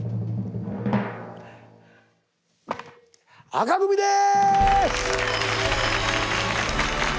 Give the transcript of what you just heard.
紅組です！